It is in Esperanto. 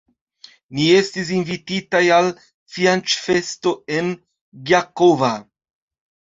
Ni estis invititaj al fianĉfesto en Gjakova.